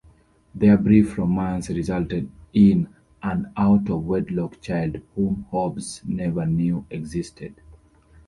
Their brief romance resulted in an out-of-wedlock child whom Hobbs never knew existed.